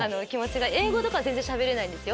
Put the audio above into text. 英語とか全然しゃべれないんですよ。